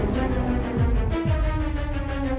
lain kali gua akan ambil lebih banyak